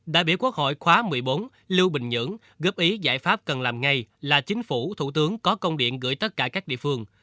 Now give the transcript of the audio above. đại biểu quốc hội khóa một mươi bốn lưu bình nhưỡng góp ý giải pháp cần làm ngay là chính phủ thủ tướng có công điện gửi tất cả các địa phương